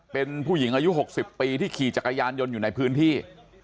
เป็นผู้หญิงอายุ๖๐ปีที่ขี่จักรยานยนต์อยู่ในพื้นที่